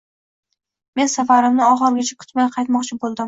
Men safarimni oxirigacha kutmay qaytmoqchi boʻldim